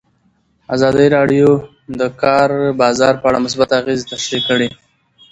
ازادي راډیو د د کار بازار په اړه مثبت اغېزې تشریح کړي.